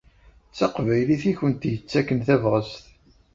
D taqbaylit i kent-yettaken tabɣest.